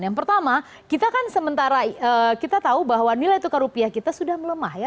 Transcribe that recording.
yang pertama kita kan sementara kita tahu bahwa nilai tukar rupiah kita sudah melemah ya